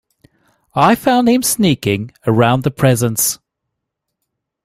I found him sneaking around the presents.